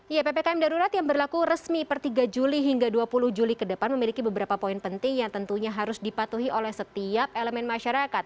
ya ppkm darurat yang berlaku resmi per tiga juli hingga dua puluh juli ke depan memiliki beberapa poin penting yang tentunya harus dipatuhi oleh setiap elemen masyarakat